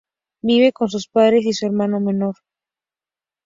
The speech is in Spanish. Vive con sus padres y su hermano menor.